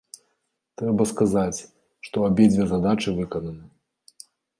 Трэба сказаць, што абедзве задачы выкананы.